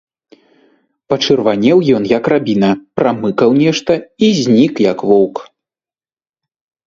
Пачырванеў ён, як рабіна, прамыкаў нешта і знік, як воўк.